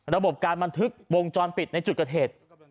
ระบบการบันทึกวงจรปิดในจุดเกิดเหตุ